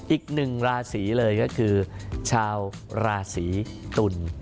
อีกหนึ่งราศีเลยก็คือชาวราศีตุล